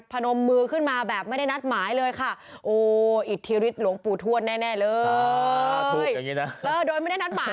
พนมมือขึ้นมาแบบไม่ได้นัดหมายเลยค่ะ